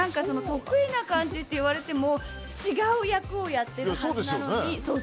得意な感じと言われても違う役をやっているはずなのに。